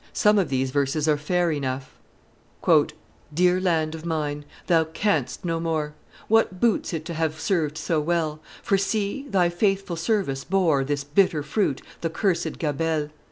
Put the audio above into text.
Some of these verses are fair enough. [Illustration: The Barefoots 221] TO NORMANDY. "Dear land of mine, thou canst no more What boots it to have served so well? For see! thy faithful service bore This bitter fruit the cursed gabelle.